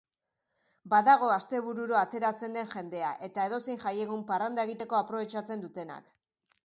Badago astebururo ateratzen den jendea, eta edozein jaiegun parranda egiteko aprobetxatzen dutenak.